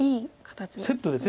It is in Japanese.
セットです。